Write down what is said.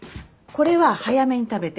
これは早めに食べて。